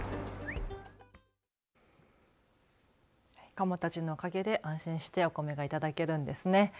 カモたちのおかげで安心してお米が頂けるんですね。